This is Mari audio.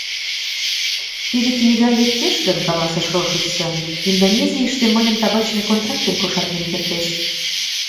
— Тиде книга лектеш гын, — каласыш Рошуссен, — Индонезийыште мыйын табачный контрактем кошарген кертеш.